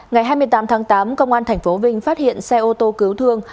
ngày hai mươi tám tháng tám công an tp vinh phát hiện xe ô tô cứu thương